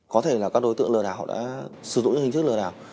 có thể là các đối tượng lừa đảo đã sử dụng những hình thức lừa đảo